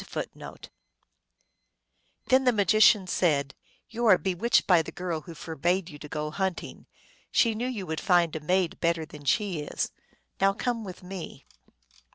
1 Then the magician said, " You are bewitched by the girl who forbade you to go hunting ; she knew you would find a maid better than she is. Now come with me."